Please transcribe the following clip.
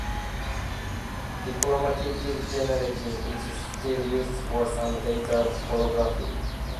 Dichromated gelatine is still used for some laser holography.